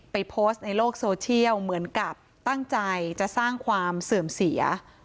โพสต์ในโลกโซเชียลเหมือนกับตั้งใจจะสร้างความเสื่อมเสีย